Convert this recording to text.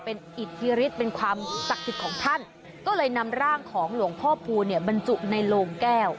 เป็นอิทธิฤทธิ์เป็นความศักดิ์สิทธิ์ของท่านก็เลยนำร่างของหลวงพ่อภูเนี่ยบรรจุในโลงแก้ว